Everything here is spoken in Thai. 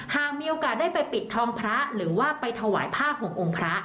หามีโอกาสไปปิดทองพระหรือที่จะมีทวายภาคขององค์พระ